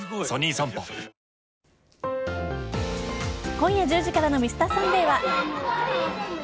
今夜１０時からの「Ｍｒ．サンデー」は。